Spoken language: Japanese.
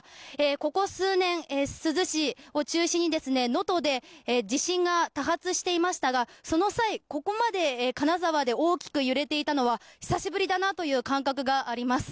ここ数年、珠洲市を中心に能登で地震が多発していましたがその際ここまで金沢で大きく揺れていたのは久しぶりだなという感覚があります。